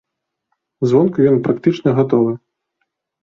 Звонку ён практычна гатовы.